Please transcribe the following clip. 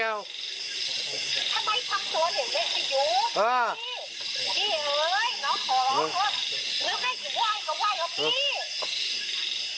ก็อย่อยว่าอยู่ป่านกับว่ายังไง